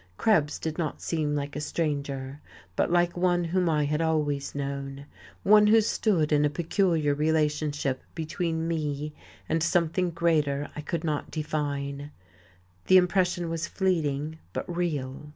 Krebs did not seem like a stranger, but like one whom I had known always, one who stood in a peculiar relationship between me and something greater I could not define. The impression was fleeting, but real....